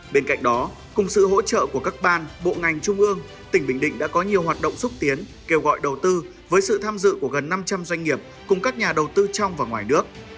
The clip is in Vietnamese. bên cạnh đó cùng sự hỗ trợ của các ban bộ ngành trung ương tỉnh bình định đã có nhiều hoạt động xúc tiến kêu gọi đầu tư với sự tham dự của gần năm trăm linh doanh nghiệp cùng các nhà đầu tư trong và ngoài nước